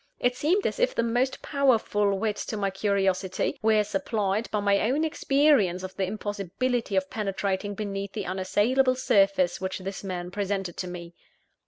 It seemed as if the most powerful whet to my curiosity, were supplied by my own experience of the impossibility of penetrating beneath the unassailable surface which this man presented to me.